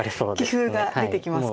棋風が出てきますか。